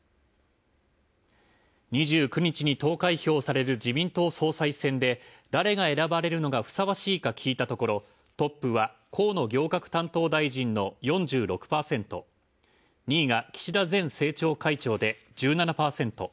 ２９日に投開票される自民党総裁選で、誰が選ばれるのがふさわしいか聞いたところトップは河野行革担当大臣の４６％２位が岸田前政調会長で１７％